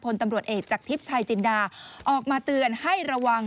ตำรวจเอกจากทิพย์ชายจินดาออกมาเตือนให้ระวัง